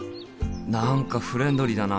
何かフレンドリーだな。